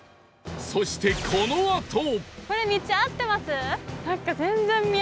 そしてこのあと！